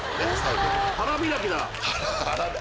腹開きだ！